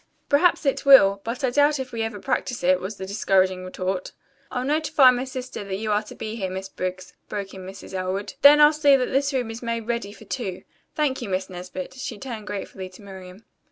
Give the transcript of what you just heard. "Perhaps it will, but I doubt if we ever practise it," was the discouraging retort. "I'll notify my sister that you are to be here, Miss Briggs," broke in Mrs. Elwood. "Then I'll see that this room is made ready for two. Thank you, Miss Nesbit." She turned gratefully to Miriam.